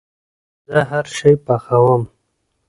زه هرشی پخوم